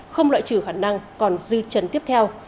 không loại trừ khả năng còn dư chấn tiếp theo